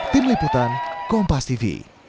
tim liputan kompas tv